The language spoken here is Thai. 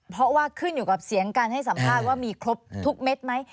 เพราะว่าขึ้นอยู่กับเสียงการให้สัมภาษณ์ว่ามีครบทุกเม็ดไหม